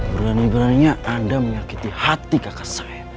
berani beraninya anda menyakiti hati kakak saya